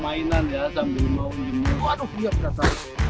mainan ya sambil mau minum aduh biar kata